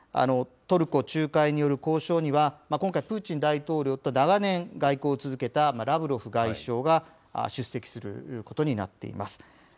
トルコ仲介による交渉には、今回、プーチン大統領と長年、外交を続けたラブロフ外相が出席するということになっています。